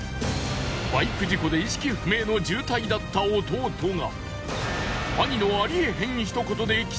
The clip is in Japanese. バイク事故で意識不明の重体だった弟が。